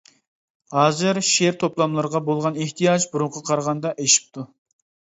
ھازىر شېئىر توپلاملىرىغا بولغان ئېھتىياج بۇرۇنقىغا قارىغاندا ئېشىپتۇ.